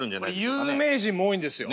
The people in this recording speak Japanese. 有名人も多いんですよ。